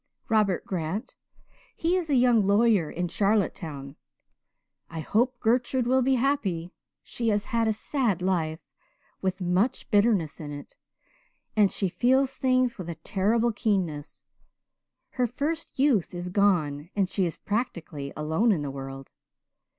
"Robert Grant. He is a young lawyer in Charlottetown. I hope Gertrude will be happy. She has had a sad life, with much bitterness in it, and she feels things with a terrible keenness. Her first youth is gone and she is practically alone in the world.